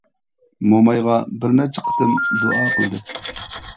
مومايغا بىر نەچچە قېتىم دۇئا قىلدى.